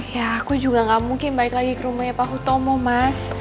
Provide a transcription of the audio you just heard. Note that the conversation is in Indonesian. ya aku juga gak mungkin balik lagi ke rumahnya pak hutomo mas